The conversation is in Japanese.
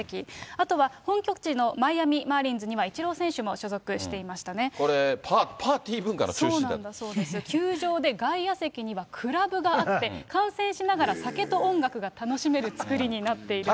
あとは本拠地のマイアミマーリンズにはイチロー選手も所属していこれ、パーティー文化の中心そうです、球場で外野席にはクラブがあって、観戦しながら酒と音楽が楽しめる作りになっているそうです。